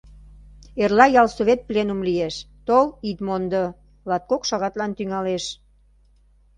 Эрла ялсовет пленум лиеш — тол, ит мондо... латкок шагатлан тӱҥалеш...